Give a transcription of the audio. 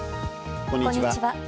こんにちは。